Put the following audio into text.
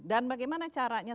dan bagaimana caranya